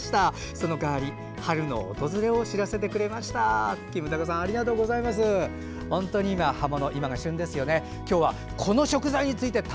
その代わり春の訪れを知らせてくれました。